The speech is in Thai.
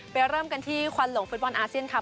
เริ่มกันที่ควันหลงฟุตบอลอาเซียนค่ะ